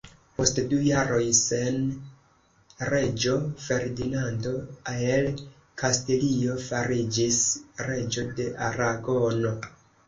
Post du jaroj sen reĝo, Ferdinando el Kastilio fariĝis reĝo de Aragono.